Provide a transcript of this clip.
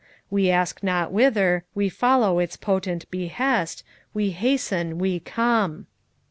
We ask not whither, we follow its potent behest, We hasten, we come.'